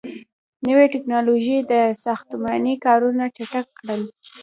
• نوي ټیکنالوژۍ ساختماني کارونه چټک کړل.